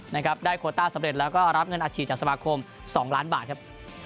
นะครับได้โคต้าสำเร็จแล้วก็รับเงินอัดฉีดจากสมาคม๒ล้านบาทครับ